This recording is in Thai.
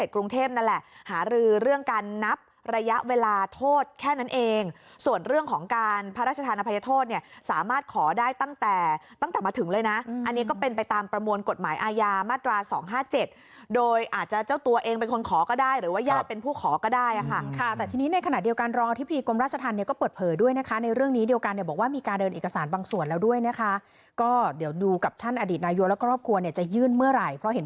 คืออาจารย์วิศนุบอกว่า